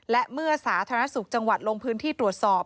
และเมื่อสาธารณสุขจังหวัดลงพื้นที่ตรวจสอบ